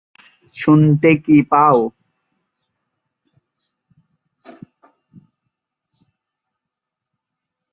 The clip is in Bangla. শুনতে কি পাও!